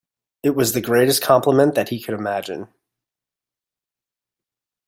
It was the greatest compliment that he could imagine.